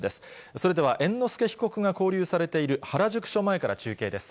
それでは猿之助被告が勾留されている原宿署前から中継です。